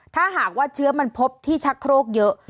ถ้าหากว่าเชื้อมันพบที่ชักโครกเยอะ